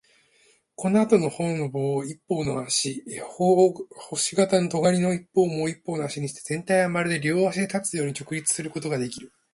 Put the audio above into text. このあとのほうの棒を一方の足、星形のとがりの一つをもう一方の足にして、全体はまるで両足で立つように直立することができる。